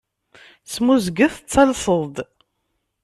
Smuzget d talseḍ-d.